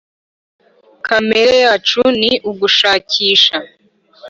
kamere yacu ni ugushakisha